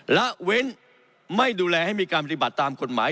ละเว้นไม่ดูแลให้มีการปฏิบัติตามกฎหมาย